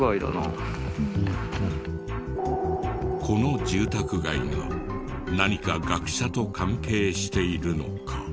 この住宅街が何か学者と関係しているのか？